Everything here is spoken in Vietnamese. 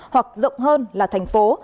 hoặc rộng hơn là thành phố